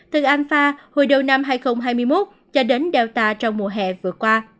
từ alpha hồi đầu năm hai nghìn hai mươi một cho đến delta trong mùa hè vừa qua